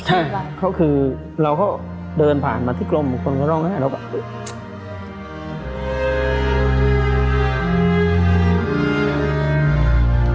ใช่ก็คือเราก็เดินผ่านมาที่กรมคนก็ร้องไห้แล้วก็